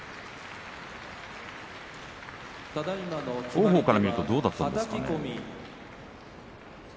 王鵬から見るとどうだったんですか。